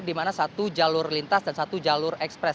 dimana satu jalur lintas dan satu jalur ekspres